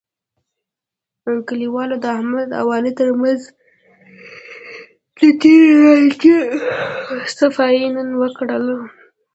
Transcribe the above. کلیوالو د احمد او علي ترمنځ د تېرې لانجې صفایی نن وکړله.